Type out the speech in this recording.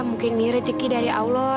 mungkin nih rezeki dari allah